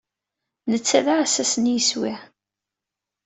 Netta d aɛessas n yeswi.